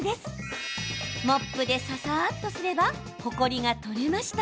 モップで、ささっとすればほこりが取れました。